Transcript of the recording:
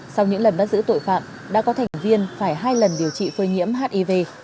sau những lần bắt giữ tội phạm đã có thành viên phải hai lần điều trị phơi nhiễm hiv